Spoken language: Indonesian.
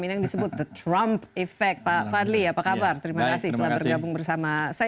ini yang disebut the trump effect pak fadli apa kabar terima kasih telah bergabung bersama saya